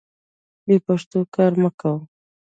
بې پښتو کار مه کوه.